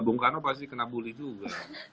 bung karno pasti kena bully juga